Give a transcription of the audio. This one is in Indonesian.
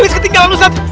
lilith ketinggalan ustadz